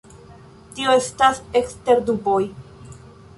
Tio estas ekster duboj.